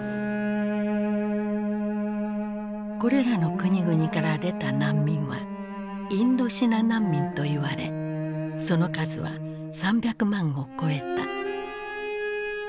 これらの国々から出た難民はインドシナ難民と言われその数は３００万を超えた。